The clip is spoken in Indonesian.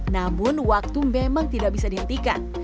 namun waktu memang tidak bisa dihentikan